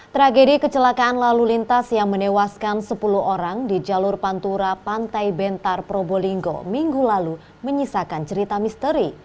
tragedi kecelakaan lalu lintas yang menewaskan sepuluh orang di jalur pantura pantai bentar probolinggo minggu lalu menyisakan cerita misteri